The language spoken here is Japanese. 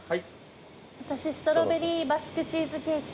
私ストロベリーバスクチーズケーキ。